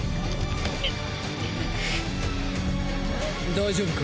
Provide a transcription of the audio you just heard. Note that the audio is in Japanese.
大丈夫か？